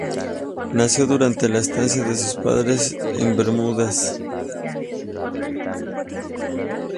Nació durante la estancia de sus padres en las Bermudas.